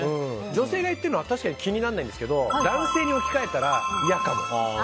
女性が言っているのは、確かに気にならないんですけど男性に置き換えたら嫌かも。